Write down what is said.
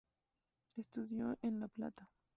Estudió en La Plata.